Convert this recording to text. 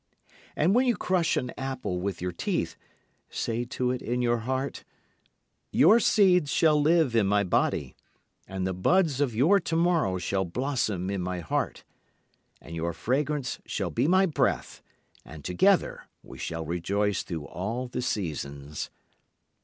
And when you crush an apple with your teeth, say to it in your heart, "Your seeds shall live in my body, And the buds of your tomorrow shall blossom in my heart, And your fragrance shall be my breath, And together we shall rejoice through all the seasons."